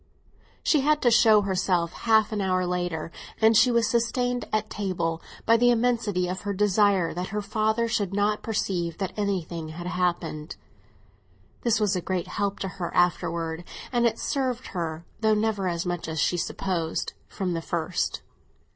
She had to show herself half an hour later, and she was sustained at table by the immensity of her desire that her father should not perceive that anything had happened. This was a great help to her afterwards, and it served her (though never as much as she supposed) from the first.